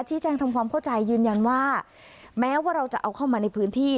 ที่แจ้งทำความเข้าใจยืนยันว่าแม้ว่าเราจะเอาเข้ามาในพื้นที่